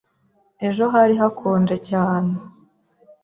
Ejo hari hakonje cyane.